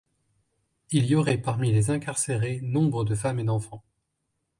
Il y aurait parmi les incarcérés nombre de femmes et d’enfants.